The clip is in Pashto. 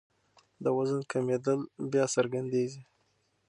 د وزن کمېدل بیا څرګندېږي.